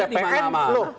bukan sebagai ppn loh